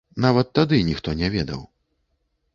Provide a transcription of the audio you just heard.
Нават тады ніхто не ведаў.